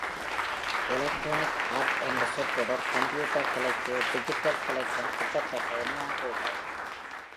"Electronic art " என்ற சொற்றொடர் computer கலைக்கு டிஜிட்டல் கலைக்கும் கிட்டத்தட்ட இணையாக உள்ளது.